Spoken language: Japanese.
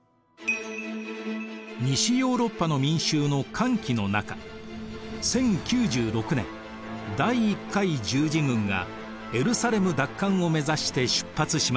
西ヨーロッパの民衆の歓喜の中１０９６年第１回十字軍がエルサレム奪還を目指して出発しました。